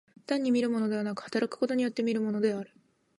単に見るものでなく、働くことによって見るものである。